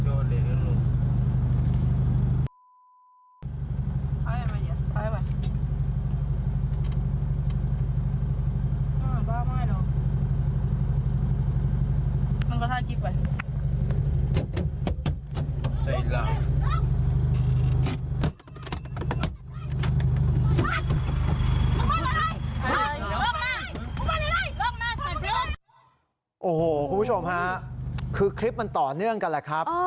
โอ้โหคุณผู้ชมฮะคือคลิปมันต่อเนื่องกันแหละครับ